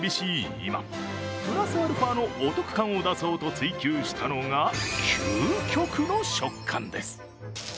今、プラスアルファのお得感を出そうと追求したのが究極の食感です。